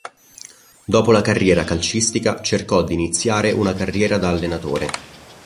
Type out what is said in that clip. Dopo la carriera calcistica cercò di iniziare una carriera da allenatore.